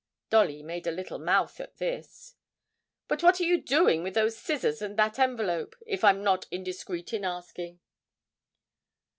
(Dolly made a little mouth at this.) 'But what are you doing with those scissors and that envelope, if I'm not indiscreet in asking?'